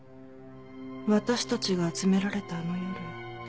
私たちが集められたあの夜。